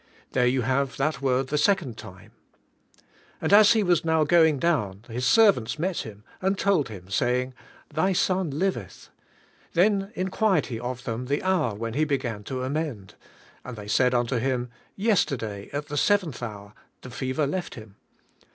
There you have that word the second time. "And as he was now going down, his servants met him, and told him, saying, Th}^ son liveth. Then in quired he of them the hour when he began to 146 TRIUMPH OF FAITH 147 amend. And they said unto him, Yesterday at the seventh hour the fever left him.